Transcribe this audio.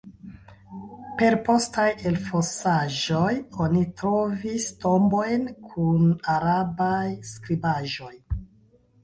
Per postaj elfosaĵoj oni trovis tombojn kun arabaj skribaĵoj.